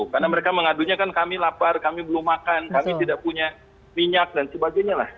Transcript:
karena mereka mengadunya kami lapar kami belum makan kami tidak punya minyak dan sebagainya